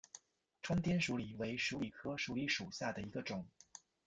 川滇鼠李为鼠李科鼠李属下的一个种。